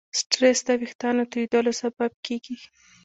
سټرېس د وېښتیانو تویېدلو سبب کېږي.